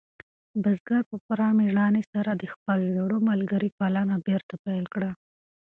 بزګر په پوره مېړانې سره د خپل زوړ ملګري پالنه بېرته پیل کړه.